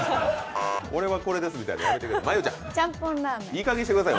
俺はこれですみたいなのやめてください。